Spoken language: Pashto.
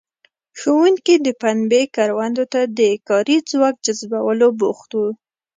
ښوونکي د پنبې کروندو ته د کاري ځواک جذبولو بوخت وو.